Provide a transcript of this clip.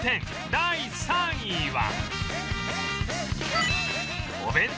第２位は